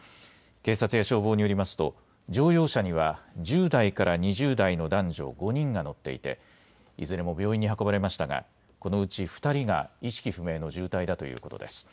警察や消防によりますと乗用車には１０代から２０代の男女５人が乗っていていずれも病院に運ばれましたがこのうち２人が意識不明の重体だということです。